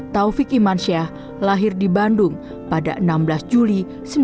taufik iman syah lahir di bandung pada enam belas juli seribu sembilan ratus tujuh puluh sembilan